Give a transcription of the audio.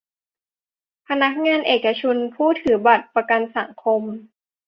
พนักงานเอกชนผู้ถือบัตรประกันสังคม